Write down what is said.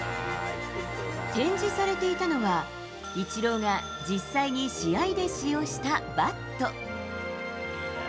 展示されていたのは、イチローが実際に試合で使用したバット。